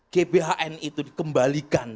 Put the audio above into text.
gbhn itu dikembalikan